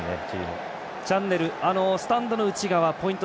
チャンネルスタンドの内側、ポイント